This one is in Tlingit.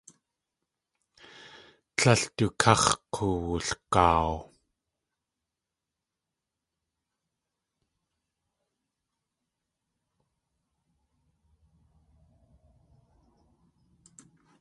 Tlél du káx̲ k̲uwulgaaw.